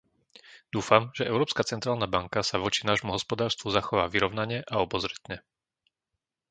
Dúfam, že Európska centrálna banka sa voči nášmu hospodárstvu zachová vyrovnane a obozretne.